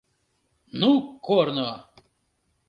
— Ну корно!